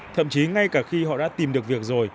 thậm chí ngay cả khi họ đã tìm được việc rồi